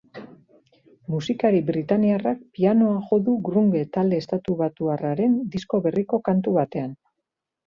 Musikari britainiarrak pianoa jo du grunge talde estatubatuarraren disko berriko kantu batean.